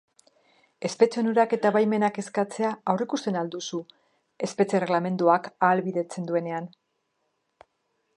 Espetxe onurak eta baimenak eskatzea aurreikusten al duzu espetxe-erregelamenduak ahalbidetzen duenean?